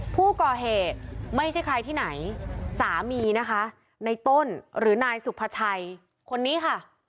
ผู้ก่อเหตุไม่ใช่ใครที่ไหนสามีนะคะในต้นหรือนายสุภาชัยคนนี้ค่ะ